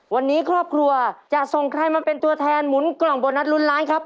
วันนี้ครอบครัวจะส่งใครมาเป็นตัวแทนหมุนกล่องโบนัสลุ้นล้านครับ